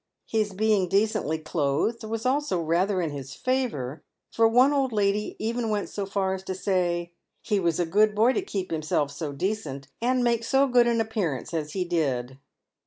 His being decently clothed was also rather in his favour, for one old lady even went so far as to say " he was a good boy to keep himself so decent, and make so good an appearance as he did."